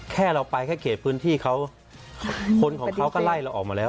แค่เราไปแค่เขตพื้นที่เขาคนของเขาก็ไล่เราออกมาแล้ว